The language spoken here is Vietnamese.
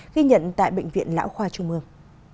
ghi nhận tại bệnh viện lão khoa trung ương